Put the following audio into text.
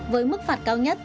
với mức phạt cao nhất